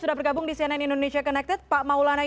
sudah bergabung di cnn indonesia connected pak maulana